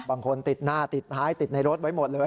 ติดหน้าติดท้ายติดในรถไว้หมดเลย